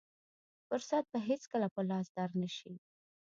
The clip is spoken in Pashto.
فرصت به هېڅکله په لاس در نه شي.